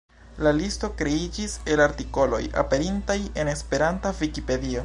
La listo kreiĝis el artikoloj aperintaj en Esperanta Vikipedio.